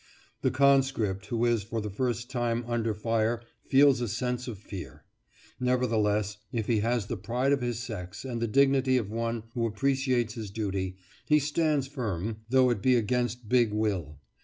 The conscript who is for the first time under fire feels a sense of fear. Nevertheless, if he has the pride of his sex, and the dignity of one who appreciates his duty, he stands firm, though it be against big will.